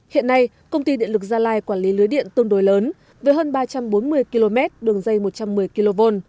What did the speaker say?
hiện nay công ty điện lực gia lai quản lý lưới điện tương đối lớn với hơn ba trăm bốn mươi km đường dây một trăm một mươi kv